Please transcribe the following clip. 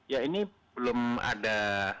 ya ini belum ada